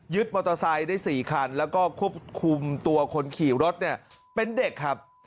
ยึดมอเตอร์ไซค์ได้สี่ขันและควบคุมตัวคนขี่รถเป็นเด็กครับ